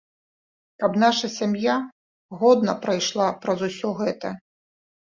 Каб наша сям'я годна прайшла праз усё гэта.